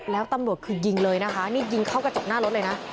แล้วตำรวจคือยิงเลยนะคะนี่ยิงเข้ากระจกหน้ารถเลยนะ